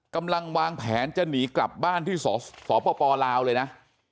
กำลังวางแผนจะหนีกลับบ้านที่สปลาวเลยนะ